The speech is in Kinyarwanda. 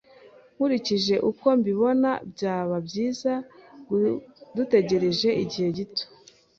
Nkurikije uko mbibona, byaba byiza dutegereje igihe gito.